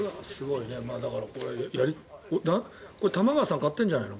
これ、玉川さん買ってるんじゃないの？